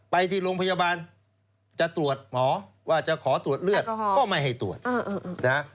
ไปที่โรงพยาบาลจะตรวจหมอว่าจะขอตรวจเลือดก็ไม่ให้ตรวจนะฮะ